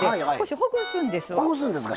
ほぐすんですか？